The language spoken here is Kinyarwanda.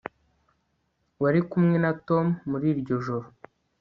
wari kumwe na tom muri iryo joro